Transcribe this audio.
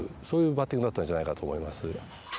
そういうバッティングだったんじゃないかと思います。